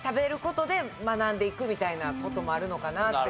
みたいな事もあるのかなって。